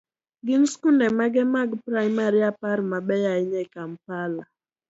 gin skunde mage mag praimari apar mabeyo ahinya e Kampala?